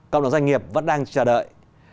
công luận doanh nghiệp vẫn đang chờ đợi